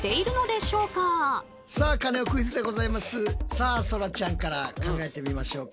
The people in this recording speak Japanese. さあそらちゃんから考えてみましょうか。